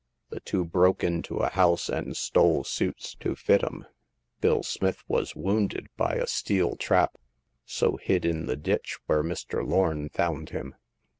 "The two broke into a house and stole suits to fit 'em. Bill Smith was wounded by a steel trap, so hid in the ditch where Mr. Lorn found him.